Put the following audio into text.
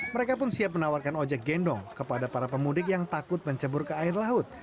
mereka pun siap menawarkan ojek gendong kepada para pemudik yang takut mencebur ke air laut